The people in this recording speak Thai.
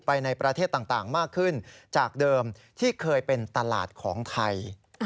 ในประเทศต่างมากขึ้นจากเดิมที่เคยเป็นตลาดของไทย